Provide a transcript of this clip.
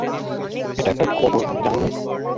এটা একটা কবর, জানেন না!